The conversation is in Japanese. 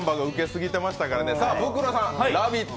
さあ、ブクロさん、「ラヴィット！」